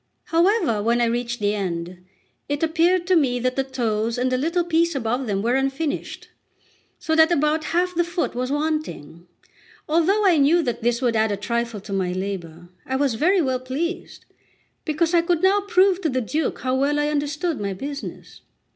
However, when I reached the end, it appeared that the toes and a little piece above them were unfinished, so that about half the foot was wanting. Although I knew that this would add a trifle to my labour, I was very well pleased, because I could now prove to the Duke how well I understood my business.